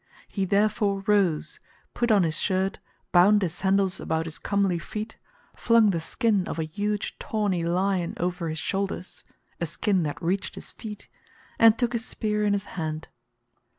He therefore rose, put on his shirt, bound his sandals about his comely feet, flung the skin of a huge tawny lion over his shoulders—a skin that reached his feet—and took his spear in his hand.